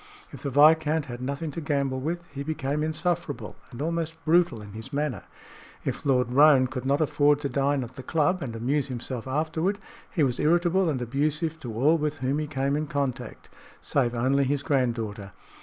If the viscount had nothing to gamble with, he became insufferable and almost brutal in his manner; if Lord Roane could not afford to dine at the club and amuse himself afterward, he was irritable and abusive to all with whom he came in contact, save only his granddaughter.